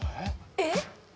えっ？